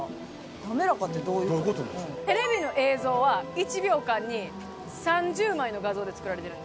テレビの映像は１秒間に３０枚の画像で作られてるんです。